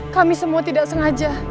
kami semua tidak sengaja